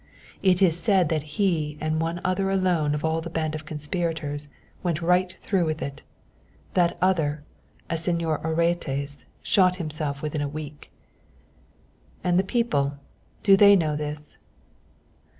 It is said that he and one other alone of all the band of conspirators went right through with it. That other, a Señor Orates, shot himself within a week." "And the people do they know this?"